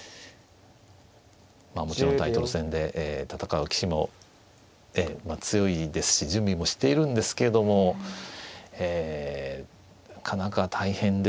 まあもちろんタイトル戦で戦う棋士も強いですし準備もしているんですけどもええなかなか大変ですよね。